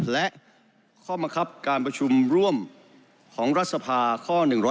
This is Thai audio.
และข้อมะครับการประชุมร่วมของรัฐสภาข้อ๑๒